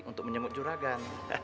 untuk menyemut juragan